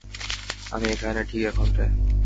আমি এখানে, ঠিক এখানটায়।